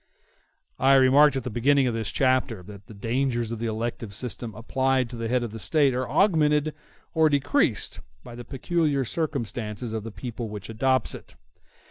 I remarked at the beginning of this chapter that the dangers of the elective system applied to the head of the State are augmented or decreased by the peculiar circumstances of the people which adopts it.